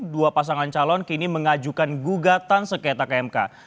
dua pasangan calon kini mengajukan gugatan sengketa ke mk